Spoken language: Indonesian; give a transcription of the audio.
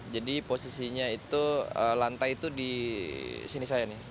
jadi posisinya itu lantai itu di sini saya nih